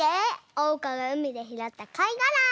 おうかがうみでひろったかいがら。